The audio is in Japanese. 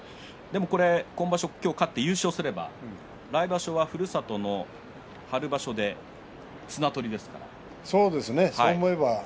今場所勝って優勝すれば来場所はふるさとの春場所で綱取りですね。